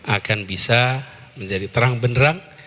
akan bisa menjadi terang benerang